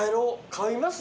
買います？